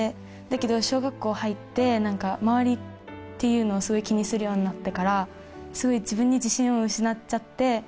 だけど小学校入って何か周りっていうのをすごい気にするようになってからすごい自分に自信を失っちゃって。